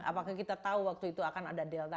apakah kita tahu waktu itu akan ada delta